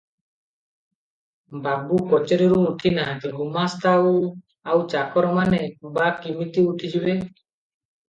ବାବୁ କଚେରିରୁ ଉଠି ନାହାନ୍ତି, ଗୁମାସ୍ତା ଆଉ ଆଉ ଚାକରମାନେ ବା କିମିତି ଉଠିଯିବେ?